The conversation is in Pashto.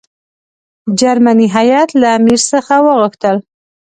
جرمني هیات له امیر څخه وغوښتل.